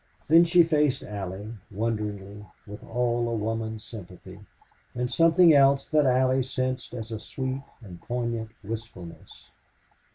Then she faced Allie, wonderingly, with all a woman's sympathy, and something else that Allie sensed as a sweet and poignant wistfulness.